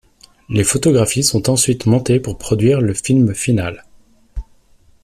Les photographies sont ensuite montées pour produire le film final.